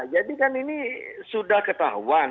jadi kan ini sudah ketahuan